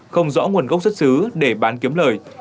không rõ nguồn gốc xuất xứ để bán kiếm lời